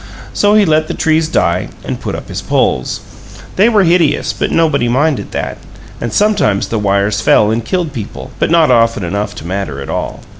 So he let the trees die and put up his poles. They were hideous, but nobody minded that; and sometimes the wires fell and killed people but not often enough to matter at all.